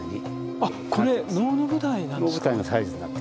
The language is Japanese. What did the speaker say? あっこれ能の舞台なんですか。